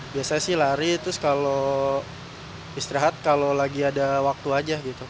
biasanya sih lari terus kalau istirahat kalau lagi ada waktu aja gitu